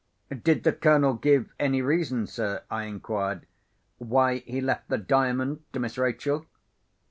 "Did the Colonel give any reason, sir," I inquired, "why he left the Diamond to Miss Rachel?"